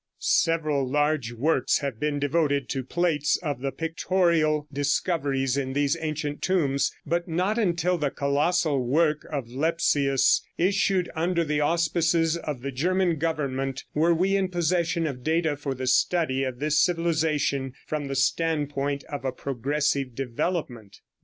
"] Several large works have been devoted to plates of the pictorial discoveries in these ancient tombs, but not until the colossal work of Lepsius, issued under the auspices of the German government, were we in possession of data for the study of this civilization from the standpoint of a progressive development.